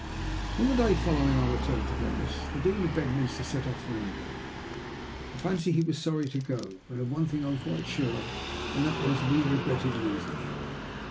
On the day following our return to Venice, the Dean of Bedminster set off for England. I fancy he was sorry to go, and of one thing I am quite sure, and that was that we regretted losing him.